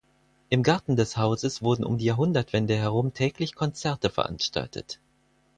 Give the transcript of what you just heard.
Im Garten des Hauses wurden um die Jahrhundertwende herum täglich Konzerte veranstaltet.